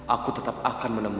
aku tetap akan mencari kamu